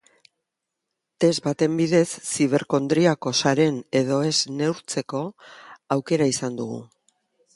Test baten bidez ziberkondriakoa zaren edo ez neurtzeko aukera izan dugu.